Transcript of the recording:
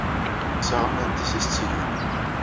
D taɣennant-is i as-tt-igan.